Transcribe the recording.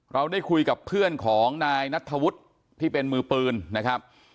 เราได้คุยกับเพื่อนของนายนัทธวุฒิที่เป็นมือปืนนะครับ